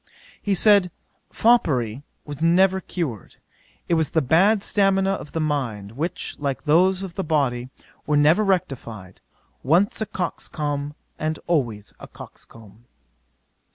'He said, foppery was never cured; it was the bad stamina of the mind, which, like those of the body, were never rectified: once a coxcomb, and always a coxcomb.